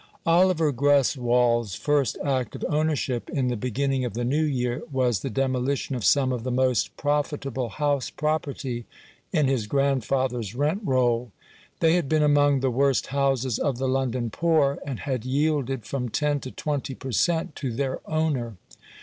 Oliver Greswold's first act of ownership, in the beginning of the new year, was the demolition of some of the most profitable house property in his grandfather's rent roll. They had been among the worst houses of the London poor, and had yielded from ten to twenty per cent, to their owner.